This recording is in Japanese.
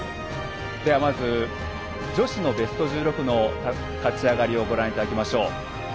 ではまず女子のベスト１６の勝ち上がりをご覧いただきましょう。